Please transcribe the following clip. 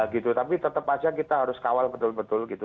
gitu tapi tetap saja kita harus kawal betul betul gitu